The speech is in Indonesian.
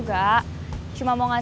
tapi ada yang kaget